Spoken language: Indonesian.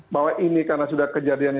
bahwa ini karena sudah kejadian